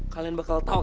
kalian bakal tau